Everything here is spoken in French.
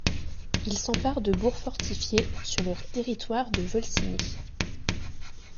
Il s'empare de bourgs fortifiés sur le territoire de Volsinies.